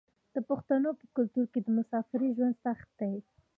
د پښتنو په کلتور کې د مسافرۍ ژوند سخت دی.